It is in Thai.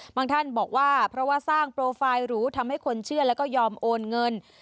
ท่านบอกว่าเพราะว่าสร้างโปรไฟล์หรูทำให้คนเชื่อแล้วก็ยอมโอนเงิน